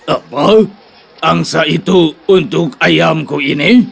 apa angsa itu untuk ayamku ini